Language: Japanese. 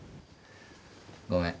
ごめん。